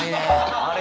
あれ？